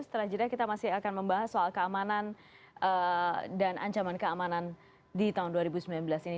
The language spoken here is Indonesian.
setelah jeda kita masih akan membahas soal keamanan dan ancaman keamanan di tahun dua ribu sembilan belas ini